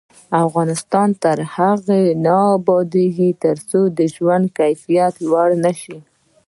افغانستان تر هغو نه ابادیږي، ترڅو د ژوند کیفیت لوړ نشي.